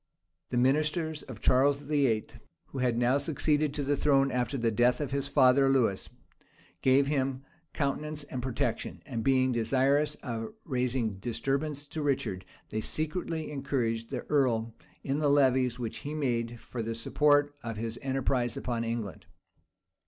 The ministers of Charles VIII., who had now succeeded to the throne after the death of his father, Lewis, gave him countenance and protection; and being desirous of raising disturbance to Richard, they secretly encouraged the earl in the levies which he made for the support of his enterprise upon England.